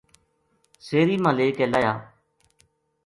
سیری ما لے کے لاہیا